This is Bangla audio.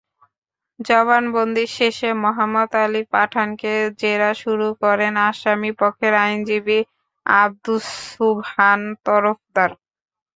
জবানবন্দি শেষে মোহাম্মদ আলী পাঠানকে জেরা শুরু করেন আসামিপক্ষের আইনজীবী আবদুস সুবহান তরফদার।